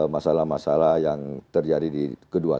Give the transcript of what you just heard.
masalah masalah yang terjadi di kedua